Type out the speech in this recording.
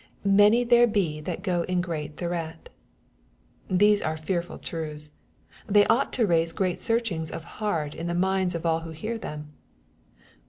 " Many there be that go in thereat." These are fearful truths 1 They ought to raise great searchings of heart in the minds of all who hear them.